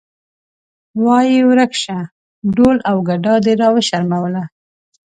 وایې ورک شه ډول او ګډا دې راوشرموله.